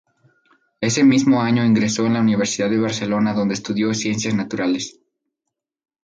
Ese mismo año ingresó en la Universidad de Barcelona donde estudió Ciencias Naturales.